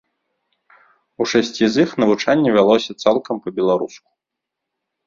У шасці з іх навучанне вялося цалкам па-беларуску.